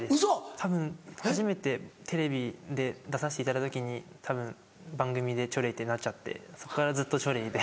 たぶん初めてテレビで出させていただいた時にたぶん番組でチョレイってなっちゃってそっからずっとチョレイで。